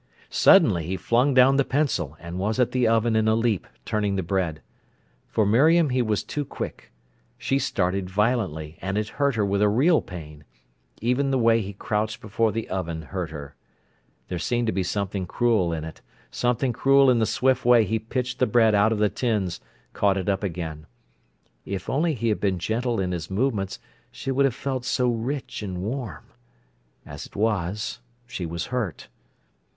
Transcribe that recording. Suddenly he flung down the pencil, and was at the oven in a leap, turning the bread. For Miriam he was too quick. She started violently, and it hurt her with real pain. Even the way he crouched before the oven hurt her. There seemed to be something cruel in it, something cruel in the swift way he pitched the bread out of the tins, caught it up again. If only he had been gentle in his movements she would have felt so rich and warm. As it was, she was hurt.